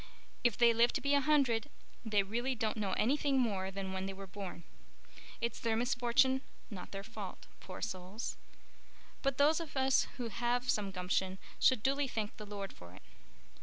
If they live to be a hundred they really don't know anything more than when they were born. It's their misfortune not their fault, poor souls. But those of us who have some gumption should duly thank the Lord for it."